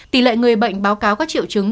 tỷ lệ người bệnh báo cáo các triệu chứng